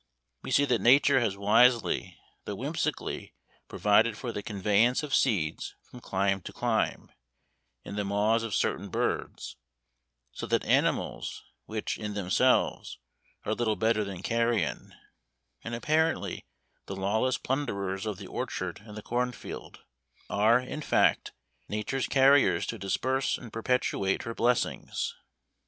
We see that Nature has wisely, though whimsically provided for the conveyance of seeds from clime to clime, in the maws of certain birds; so that animals, which, in themselves, are little better than carrion, and apparently the lawless plunderers of the orchard and the corn field, are, in fact, Nature's carriers to disperse and perpetuate her blessings.